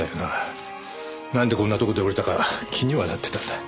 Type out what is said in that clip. なんでこんなとこで降りたか気にはなってたんだ。